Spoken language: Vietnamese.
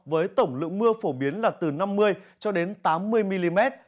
với tổng lượng mưa phổ biến là từ năm mươi tám mươi mm